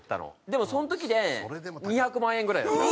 でもその時で２００万円ぐらいだった。